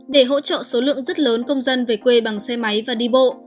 để hỗ trợ số lượng rất lớn công dân về quê bằng xe máy và đi bộ